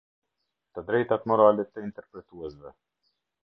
Të drejtat morale të interpretuesve.